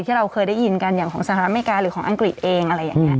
ที่เราเคยได้ยินกันอย่างของสหรัฐอเมริกาหรือของอังกฤษเองอะไรอย่างนี้